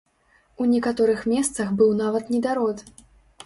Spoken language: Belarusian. У некаторых месцах быў нават недарод.